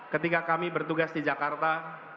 ketika kami bertugas di jakarta